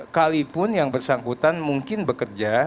kalaupun yang bersangkutan mungkin bekerja